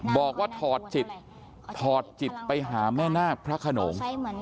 บอกว่าถอดจิตถอดจิตไปหาแม่นาคพระขนง